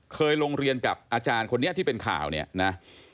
เคยโรงเรียนกับอาจารย์คนนี้ที่เป็นข่าวเนี่ยนะ